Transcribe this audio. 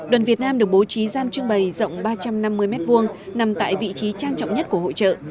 đoàn việt nam được bố trí gian trưng bày rộng ba trăm năm mươi m hai nằm tại vị trí trang trọng nhất của hội trợ